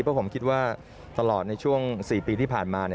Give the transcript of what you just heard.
เพราะผมคิดว่าตลอดในช่วง๔ปีที่ผ่านมา